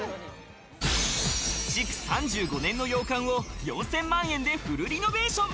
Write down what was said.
築３５年の洋館を４０００万円でフルリノベーション。